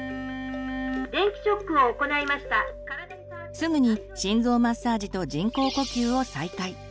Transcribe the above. すぐに心臓マッサージと人工呼吸を再開。